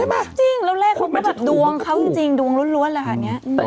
เอาเลขเขาก็แบบดวงดวงล้วนแล้วแบบเนี้ย